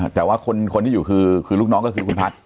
แต่ว่าคนที่อยู่คือลูกน้องก็คือคุณพัฒน์